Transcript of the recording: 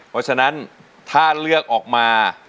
เพราะฉะนั้นถ้าเลือกออกมา